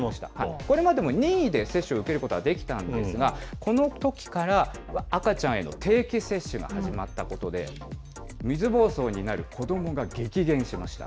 これまでも任意で接種を受けることはできたんですが、このときから、赤ちゃんへの定期接種が始まったことで、水ぼうそうになる子どもが激減しました。